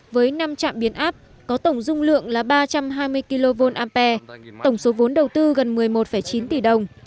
với năm trạm biến áp có tổng dung lượng là ba trăm hai mươi kva tổng số vốn đầu tư gần một mươi một chín tỷ đồng